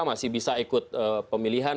masih bisa ikut pemilihan